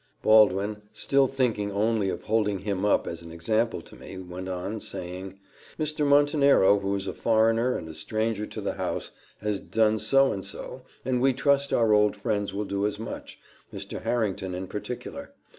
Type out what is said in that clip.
"Baldwin, still thinking only of holding him up as an example to me, went on, saying, 'Mr. Montenero, who is a foreigner, and a stranger to the house, has done so and so, and we trust our old friends will do as much Mr. Harrington in particular.